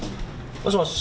もしもし。